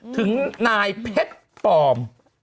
ถึงนายเพชรปลอม